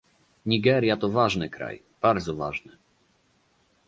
Nigeria to ważny kraj, bardzo ważny